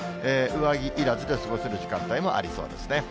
上着いらずで過ごせる時間帯もありそうですね。